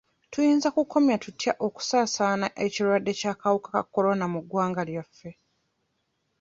Tuyinza kukomya tutya okusaasaana kirwadde ky'akawuka ka kolona mu ggwanga lyaffe?